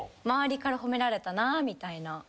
・周りから褒められたなみたいな。